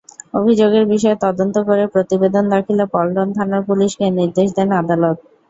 অভিযোগের বিষয়ে তদন্ত করে প্রতিবেদন দাখিলে পল্টন থানার পুলিশকে নির্দেশ দেন আদালত।